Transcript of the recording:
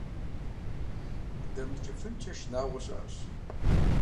ДэмыкӀыфынкӀэ шынагъуэ щыӀэщ.